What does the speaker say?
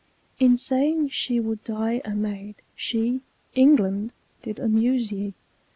In saying she would die a maid, she, England! did amuse ye.